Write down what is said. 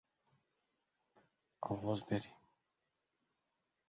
O‘shandan beri ular bilan munosabatim yaxshi”.